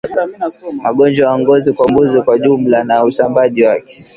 Magonjwa ya ngozi kwa mbuzi kwa jumla na usambaaji wake